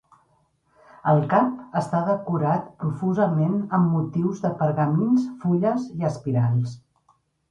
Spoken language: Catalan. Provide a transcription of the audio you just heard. El cap està decorat profusament amb motius de pergamins, fulles i espirals.